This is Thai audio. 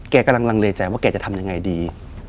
กำลังลังเลใจว่าแกจะทำยังไงดี